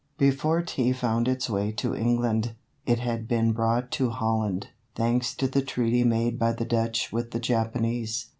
Before Tea found its way to England, it had been brought to Holland, thanks to the treaty made by the Dutch with the Japanese.